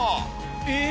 えっ！